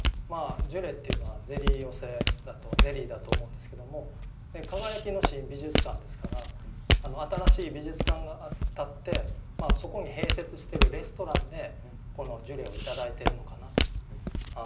ジュレっていうのはゼリー寄せゼリーだと思うんですけども「耀きの新美術館」ですから新しい美術館が建ってそこに併設してるレストランでこのジュレをいただいてるのかなと。